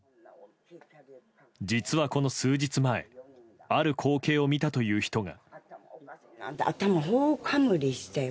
実はこの数日前ある光景を見たという人が。